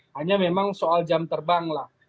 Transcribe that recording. hanya memang soal jam terbang lah